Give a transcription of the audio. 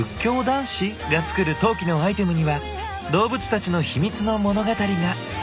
男子が作る陶器のアイテムには動物たちの秘密の物語が。